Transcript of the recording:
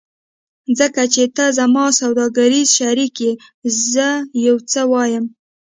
ځکه چې ته زما سوداګریز شریک یې زه یو څه وایم